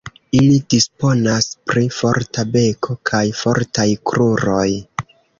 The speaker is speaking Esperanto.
Ili disponas pri forta beko kaj fortaj kruroj.